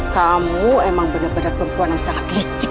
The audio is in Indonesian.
kamu emang bener bener perempuan yang sangat licik